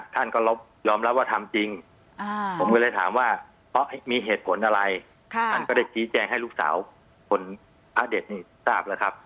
ท่านก็ยอมรับว่าทำจริงผมก็เลยถามว่าเพราะมีเหตุผลอะไรท่านก็ได้ชี้แจงให้ลูกสาวคนพระเด็ดนี่ทราบแล้วครับ